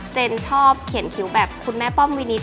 ชอบเขียนคิวแบบคุณแม่ป้อมวินิต